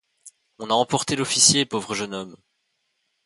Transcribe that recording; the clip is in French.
On a emporté l'officier, pauvre jeune homme!